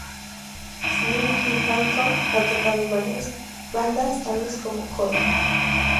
Slim Jim Phantom ha tocado en varias bandas tales como Col.